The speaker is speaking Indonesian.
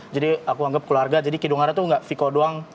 jadi aku anggap keluarga jadi kidung hara tuh enggak viko doang